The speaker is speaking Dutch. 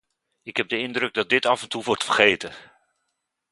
Ik heb de indruk dat dit af en toe wordt vergeten.